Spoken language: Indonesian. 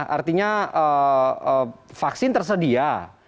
artinya vaksin tersedia